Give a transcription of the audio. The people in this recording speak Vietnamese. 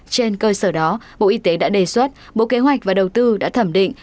trên cơ sở đó bộ y tế đã đề xuất bộ kế hoạch và đầu tư đã thẩm định